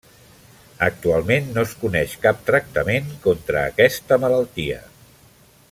Actualment no es coneix cap tractament contra aquesta malaltia.